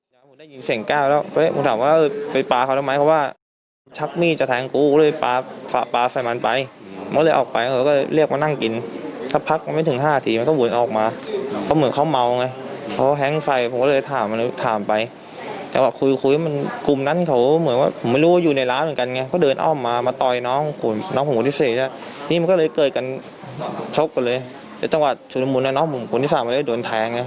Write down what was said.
นี่มันก็เลยเกิดกันชกกันเลยในจังหวัดชุลมุลน้องผมคนที่สามก็เลยโดนแทง